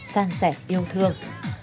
sang sẻ yêu thương